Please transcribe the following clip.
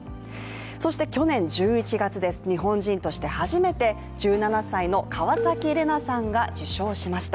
そして、去年１１月、日本人として初めて１７歳の川崎レナさんが受賞しました。